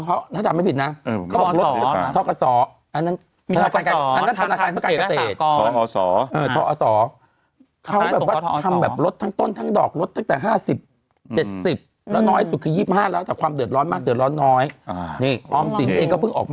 พี่เจ้าโครงการใหม่ไม่ได้อีกแล้วพี่หนุ่ม